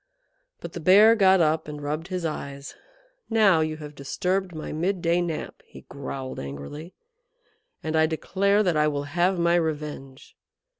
But the Bear got up and rubbed his eyes. "Now you have disturbed my midday nap," he growled angrily, "and I declare that I will have my revenge.